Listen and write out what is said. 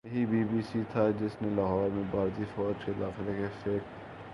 یہی B B C تھا جس نے لاہور میں بھارتی فوج کے داخلے کی فیک خبر دی تھی